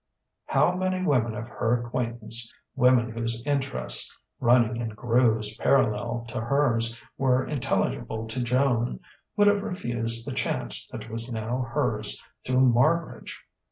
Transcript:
How many women of her acquaintance women whose interests, running in grooves parallel to hers, were intelligible to Joan would have refused the chance that was now hers through Marbridge?